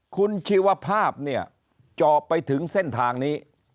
คุณชีวภาพเนี่ยเจาะไปถึงเส้นทางนี้